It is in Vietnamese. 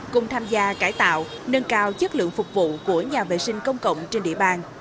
cùng tham gia cải tạo nâng cao chất lượng phục vụ của nhà vệ sinh công cộng trên địa bàn